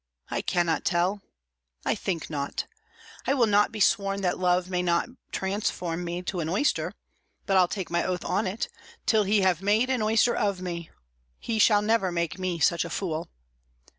I cannot tell. I think not. I will not be sworn that love may not transform me to an oyster, but I'll take my oath on it, till he have made an oyster of me, he shall never make me such a fool.